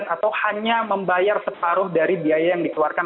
atau hanya membayar separuh dari biaya yang dikeluarkan